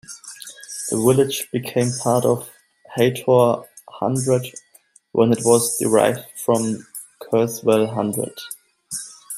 The village became part of Haytor Hundred when it was derived from Kerswell Hundred.